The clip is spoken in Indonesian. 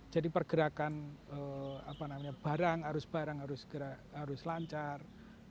jadi pergerakan barang arus barang harus lancar